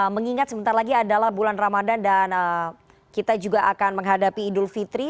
mengingat sebentar lagi adalah bulan ramadan dan kita juga akan menghadapi idul fitri